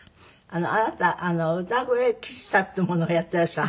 あなた歌声喫茶っていうものをやってらっしゃるの？